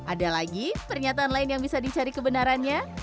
ada lagi pernyataan lain yang bisa dicari kebenarannya